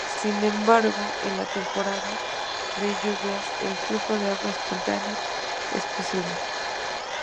Sin embargo, en la temporada de lluvias, el flujo de agua espontánea es posible.